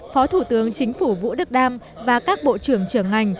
phó thủ tướng chính phủ vũ đức đam và các bộ trưởng trưởng ngành